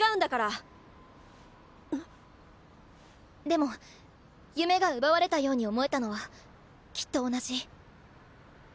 でも夢が奪われたように思えたのはきっと同じ。